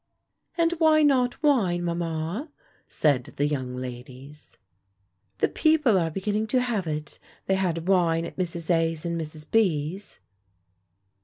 "And why not wine, mamma?" said the young ladies; "the people are beginning to have it; they had wine at Mrs. A.'s and Mrs. B.'s."